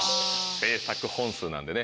製作本数なんでね。